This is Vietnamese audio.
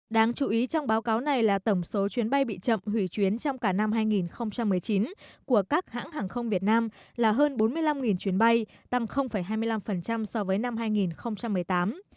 đáng chú ý trong báo cáo này là tổng số chuyến bay bị chậm hủy chuyến trong cả năm hai nghìn một mươi chín của các hãng hàng không việt nam là hơn bốn mươi năm chuyến bay tăng hai mươi năm so với năm hai nghìn một mươi tám